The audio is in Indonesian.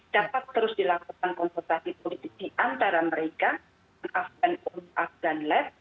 dapat terus dilakukan konsultasi politik di antara mereka afgan ur afgan leb